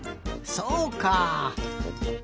そうか。